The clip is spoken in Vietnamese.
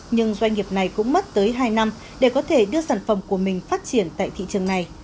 nhưng doanh nghiệp này cũng mất tới hai năm để có thể đưa sản phẩm của mình phát triển tại thị trường này